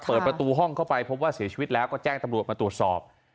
เปิดประตูห้องเข้าไปพบว่าเสียชีวิตแล้วก็แจ้งตำรวจมาตรวจสอบ